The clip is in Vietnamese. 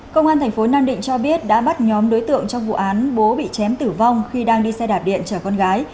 công an thành phố nam định cho biết đã bắt nhóm đối tượng trong vụ án bố bị chém tử vong khi đang đi xe đạp điện chở con gái